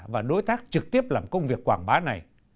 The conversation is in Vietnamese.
và đối tác trực tiếp làm công việc quảng bá này